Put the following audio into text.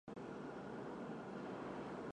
每个文化都对拥抱有着不同的解释和定义。